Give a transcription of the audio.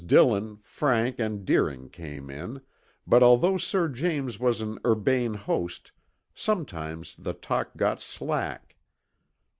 Dillon, Frank and Deering came in, but although Sir James was an urbane host sometimes the talk got slack.